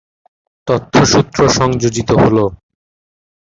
তথ্য সূত্র সংযোজিত হল।